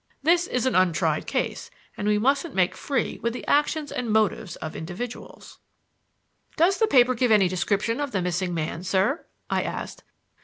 This is an untried case, and we mustn't make free with the actions and motives of individuals." "Does the paper give any description of the missing man, sir?" I asked.